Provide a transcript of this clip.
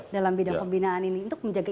dalam bidang pembinaan ini untuk menjaga